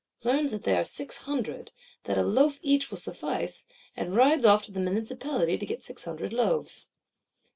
—learns that they are six hundred, that a loaf each will suffice; and rides off to the Municipality to get six hundred loaves.